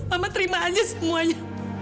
mama terima aja semuanya